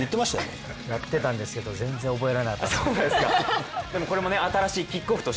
やってたんですけど全然覚えられなかったです。